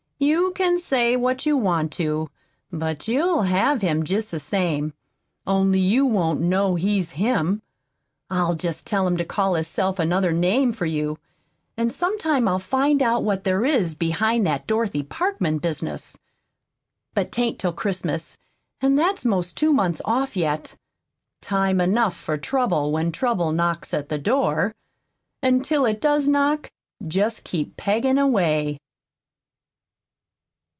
"You can say what you want to, but you'll have him jest the same only you won't know he's HIM. I'll jest tell him to call hisself another name for you. An' some time I'll find out what there is behind that Dorothy Parkman business. But 'tain't till Christmas, an' that's 'most two months off yet. Time enough for trouble when trouble knocks at the door; an' till it does knock, jest keep peggin' away."